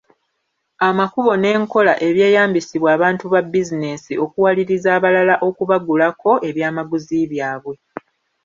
Amakubo n’enkola ebyeyambisibwa abantu ba bizinensi okuwaliriza abalala okubagulako ebyamaguzi byabwe.